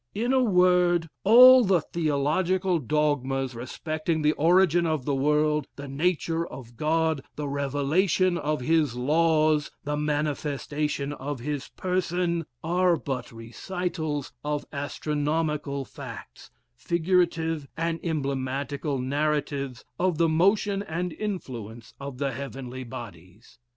In a word, all the theological dogmas respecting the origin of the world, the nature of God, the revelation of his laws, the manifestation of his person, are but recitals of astronomical facts, figurative and emblematical narratives of the motion and influence of the heavenly bodies.